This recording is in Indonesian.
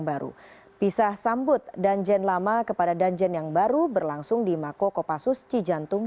baru pisah sambut danjen lama kepada danjen yang baru berlangsung di mako kopassus cijantung